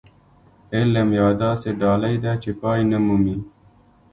علم يوه داسې ډالۍ ده چې پای نه مومي.